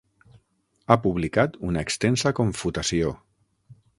Ha publicat una extensa confutació.